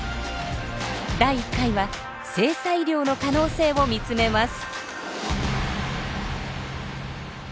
第１回は性差医療の可能性を見つめます。